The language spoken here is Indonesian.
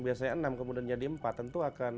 biasanya enam kemudian jadi empat tentu akan